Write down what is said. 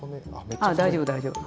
あ大丈夫大丈夫。